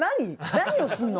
何をするの？」